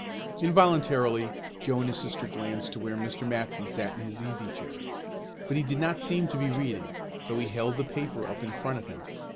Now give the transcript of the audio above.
Involuntarily Joe and his sister glanced to where Mr. Matson sat in his easy chair. But he did not seem to be reading, though he held the paper up in front of him.